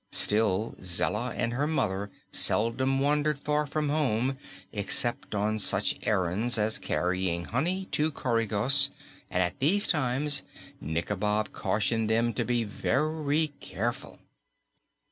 Still Zella and her mother seldom wandered far from home, except on such errands as carrying honey to Coregos, and at these times Nikobob cautioned them to be very careful.